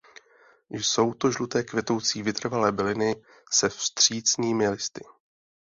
Jsou to žlutě kvetoucí vytrvalé byliny se vstřícnými listy.